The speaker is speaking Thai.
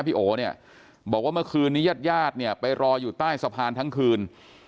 บอกว่าเมื่อคืนนี้ญาติยาดไปรออยู่ใต้สะพานทั้งคืน